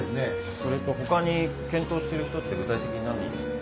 それと他に検討してる人って具体的に何人いるんすか？